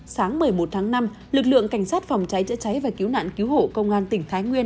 sáng một mươi một tháng năm lực lượng cảnh sát phòng cháy chữa cháy và cứu nạn cứu hộ công an tỉnh thái nguyên